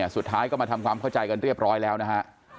สุดท้ายก็มาทำความเข้าใจกันเรียบร้อยแล้วนะฮะ